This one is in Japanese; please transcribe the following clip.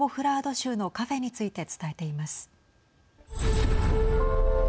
州のカフェについて伝えています。